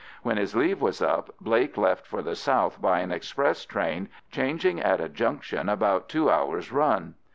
When his leave was up Blake left for the south by an express train, changing at a junction after about two hours' run.